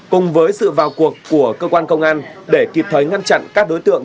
cùng với sự vào cuộc của cơ quan công an để kịp thời ngăn chặn các đối tượng